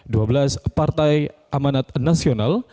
dua belas partai amanat nasional